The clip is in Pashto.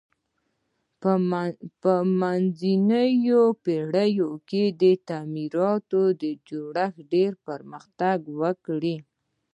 په منځنیو پیړیو کې د تعمیراتو جوړښت ډیر پرمختګ وکړ.